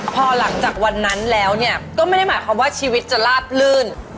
พอหลังจากวันนั้นแล้วก็ไม่ได้หมายความว่าชีวิตจะลาบลื่น